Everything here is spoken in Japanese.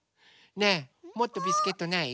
ねえもっとビスケットない？